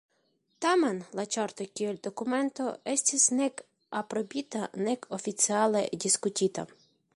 Tamen, la Ĉarto kiel dokumento estis nek aprobita nek oficiale diskutita.